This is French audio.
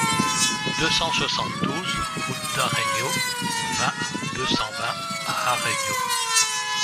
deux cent soixante-douze route d'Aregno, vingt, deux cent vingt à Aregno